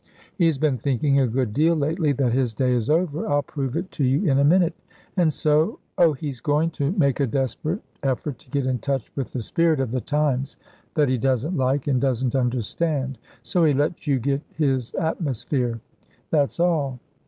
He's been thinking a good deal lately that his day is over I'll prove it to you in a minute and so oh, he's going to make a desperate effort to get in touch with the spirit of the times that he doesn't like and doesn't understand. So he lets you get his atmosphere. That's all."